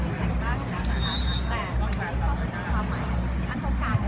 คุยนี้ของพี่อัมเป็นบุรรณาคอัตเตอร์